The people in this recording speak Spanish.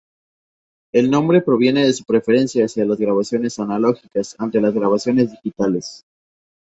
El nombre proviene de su preferencia hacia las grabaciones analógicas, ante las grabaciones digitales.